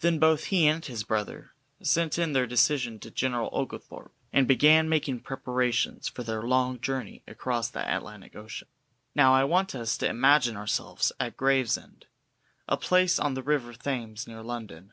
Then both he and his brother sent in their decision to General Oglethorpe, and began making preparations for their long journey across the Atlantic Ocean. Now I want us to imagine ourselves at Gravesend, a place on the river Thames near London.